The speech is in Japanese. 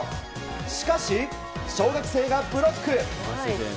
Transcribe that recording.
しかし、小学生がブロック。